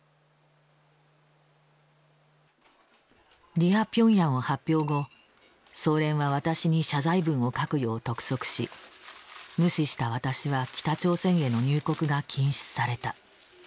「ディア・ピョンヤン」を発表後総連は私に謝罪文を書くよう督促し無視した私は北朝鮮への入国が禁止された。